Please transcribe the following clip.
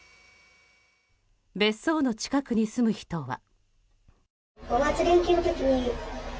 別荘の近くに住む人は。